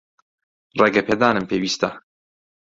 ڕێگەپێدانم پێویستە.